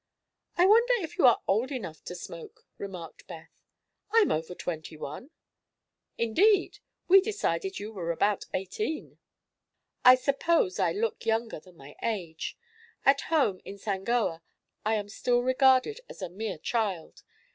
"I wonder if you are old enough to smoke?" remarked Beth. "I'm over twenty one." "Indeed! We decided you were about eighteen." "I suppose I look younger than my age. At home, in Sangoa, I am still regarded as a mere child.